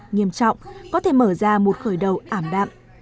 nghiêm trọng có thể mở ra một khởi đầu ảm đạm